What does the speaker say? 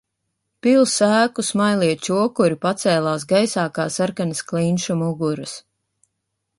Pils ēku smailie čokuri pacēlās gaisā kā sarkanas klinšu muguras.